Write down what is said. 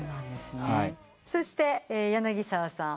そして柳沢さん。